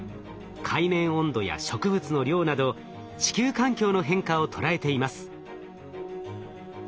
海面温度や植物の量など地球環境の変化を捉えています。